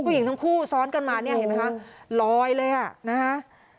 ผู้หญิงทั้งคู่ซ้อนกันมาเนี่ยเห็นไหมคะลอยเลยอ่ะนะฮะ